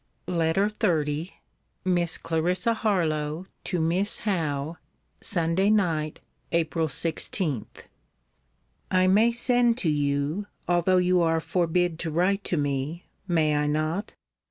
LETTER XXX MISS CLARISSA HARLOWE, TO MISS HOWE SUNDAY NIGHT, APRIL 16. I may send to you, although you are forbid to write to me; may I not?